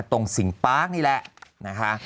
ตรงสิงห์ปาร์คนี่แหละนะคะ